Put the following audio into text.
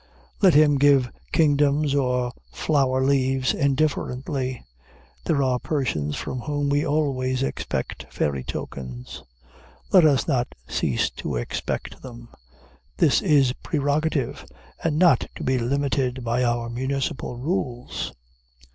Let him give kingdoms or flower leaves indifferently. There are persons from whom we always expect fairy tokens; let us not cease to expect them. This is prerogative, and not to be limited by our municipal rules.